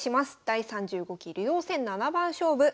第３５期竜王戦七番勝負。